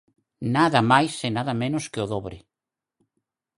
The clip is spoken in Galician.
¡Nada máis e nada menos que o dobre!